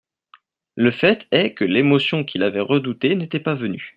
Le fait est que l'émotion qu'il avait redoutée n'était pas venue.